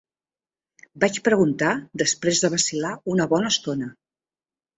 Vaig preguntar després de vacil·lar una bona estona.